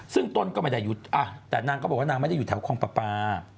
ซึ่งต้นก็ไม่ได้หยุดแต่นางก็บอกว่านางไม่ได้อยู่แถวคลองปลาปลา